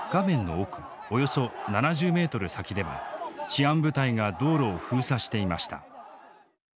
およそ７０ｍ先では治安部隊が道路を封鎖していました。